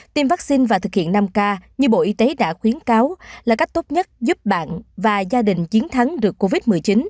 tiêm vaccine và thực hiện năm k như bộ y tế đã khuyến cáo là cách tốt nhất giúp bạn và gia đình chiến thắng được covid một mươi chín